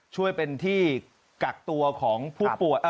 ช่วยเป็นที่กักตัวของผู้ป่วย